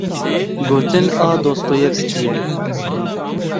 Gotin a Dostoyevskî ye.